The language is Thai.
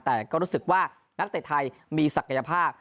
แต่ก็รู้สึกว่านักเตะไทยมีศักยภาพ